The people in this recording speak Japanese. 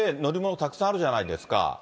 たくさんあるじゃないですか。